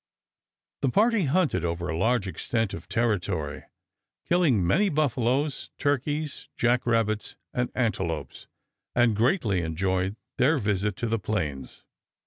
The party hunted over a large extent of territory, killing many buffaloes, turkeys, jack rabbits, and antelopes, and greatly enjoyed their visit to the plains.